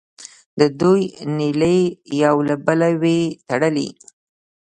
د دوی نیلې یو له بله وې تړلې.